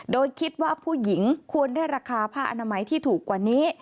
โดยคิดว่าผู้หญิงควรได้ราคาผ้าอนามัยที่ถูกกว่านี้